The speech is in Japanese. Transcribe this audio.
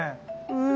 うん。